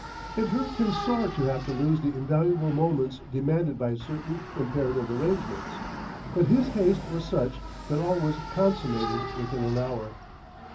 It irked him sore to have to lose the invaluable moments demanded by certain imperative arrangements, but his haste was such that all was consummated within an hour.